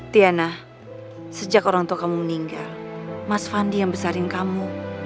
tiana sejak orang tua kamu meninggal mas fandi yang besarin kamu